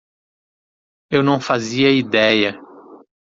Eu não fazia ideia.